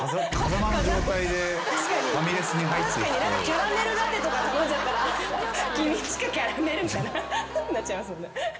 キャラメルラテとか頼んじゃったら「公親キャラメル」みたいななっちゃいますもんね。